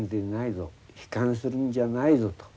悲観するんじゃないぞ」と。